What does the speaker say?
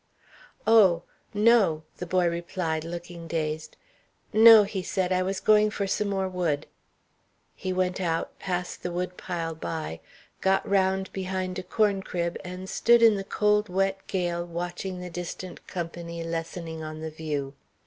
"Oh! no!" the boy replied, looking dazed. "No," he said; "I was going for some more wood." He went out, passed the woodpile by, got round behind a corn crib, and stood in the cold, wet gale watching the distant company lessening on the view.